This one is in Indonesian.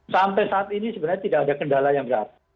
sampai saat ini sebenarnya tidak ada kendala yang berat